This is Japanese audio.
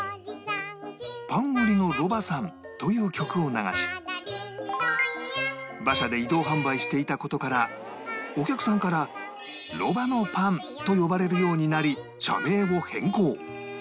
『パン売りのロバさん』という曲を流し馬車で移動販売していた事からお客さんから「ロバのパン」と呼ばれるようになり社名を変更